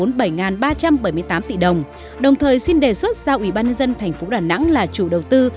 vốn bảy ba trăm bảy mươi tám tỷ đồng đồng thời xin đề xuất giao ubnd tp đà nẵng là chủ đầu tư